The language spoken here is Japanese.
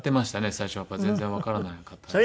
最初やっぱ全然わからなかったですから。